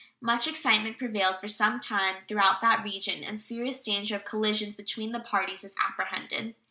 Much excitement prevailed for some time throughout that region, and serious danger of collision between the parties was apprehended.